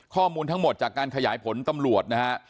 ข้อมูลทั้งหมดจากการขยายผลตำรวจนะฮะ